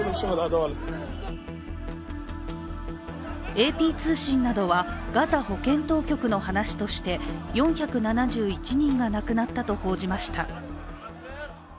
ＡＰ通信などは、ガザ保健当局の話として４７１人が亡くなったと報じました。